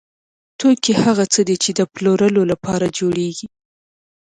توکي هغه څه دي چې د پلورلو لپاره جوړیږي.